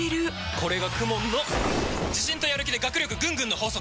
これがＫＵＭＯＮの自信とやる気で学力ぐんぐんの法則！